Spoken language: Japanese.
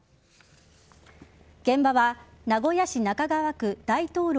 現場は名古屋市中川区大当郎